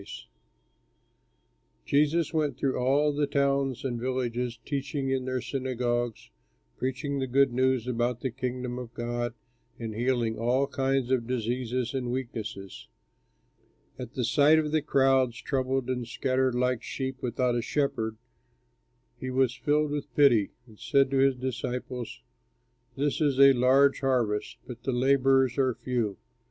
Slade] Jesus went through all the towns and villages, teaching in their synagogues, preaching the good news about the Kingdom of God, and healing all kinds of diseases and weaknesses. At sight of the crowds, troubled and scattered like sheep without a shepherd, he was filled with pity, and said to his disciples, "This is a large harvest, but the laborers are few.